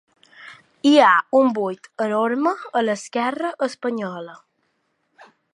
Hi ha un buit enorme a l’esquerra espanyola.